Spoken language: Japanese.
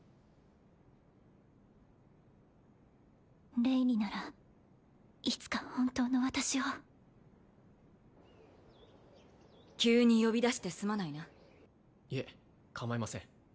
レイにならいつか本当の私を急に呼び出してすまないないえかまいません